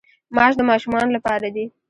ماش د ماشومانو لپاره دي.